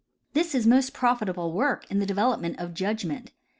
This is most profitable work in the development of judgment.